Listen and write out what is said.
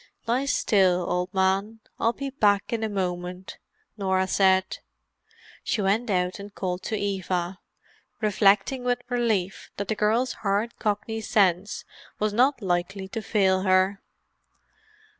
"Lie still, old man; I'll be back in a moment," Norah said. She went out and called to Eva, reflecting with relief that the girl's hard Cockney sense was not likely to fail her.